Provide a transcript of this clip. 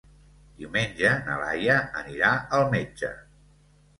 Diumenge na Laia anirà al metge.